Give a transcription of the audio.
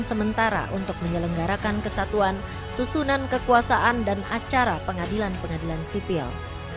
sementara untuk menyelenggarakan kesatuan susunan kekuasaan dan acara pengadilan pengadilan sipil